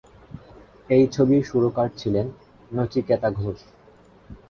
এই ছবির সুরকার ছিলেন নচিকেতা ঘোষ।